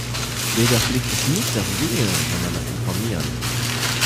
Bürgerpflicht ist nicht das Wählen sondern das Informieren.